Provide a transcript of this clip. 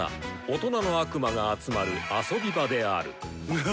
大人の悪魔が集まる遊び場である。